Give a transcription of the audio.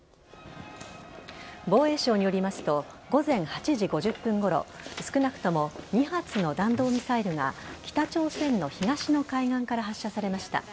防衛省によりますと午前８時５０分ごろ少なくとも２発の弾道ミサイルが北朝鮮の東の海岸から発射されました。